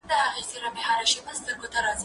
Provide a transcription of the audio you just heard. زه اوږده وخت د لوبو لپاره وخت نيسم وم،